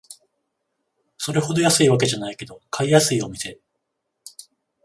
それほど安いわけじゃないけど買いやすいお店